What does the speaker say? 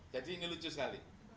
jadi ini lucu sekali